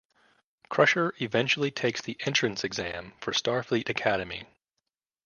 Crusher eventually takes the entrance exam for Starfleet Academy.